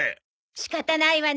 仕方ないわね。